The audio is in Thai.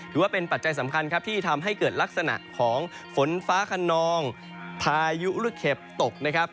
ถือว่าเป็นปัจจัยสำคัญที่ทำให้เกิดลักษณะของฝนฟ้าคนนองพายุรุเข็บตก